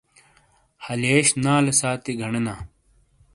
ہلیئیش نالے ساتی گنینا۔